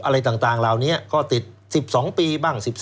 อะไรต่างเหล่านี้ก็ติด๑๒ปีบ้าง๑๒